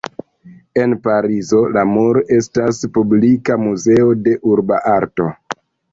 En Parizo, Le Mur estas publika muzeo de urba arto.